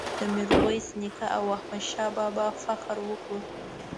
د میرویس نیکه او احمد شاه بابا فخر وکړو.